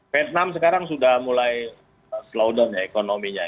vietnam sekarang sudah mulai slow down ya ekonominya